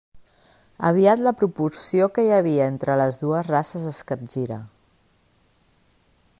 Aviat la proporció que hi havia entre les dues races es capgira.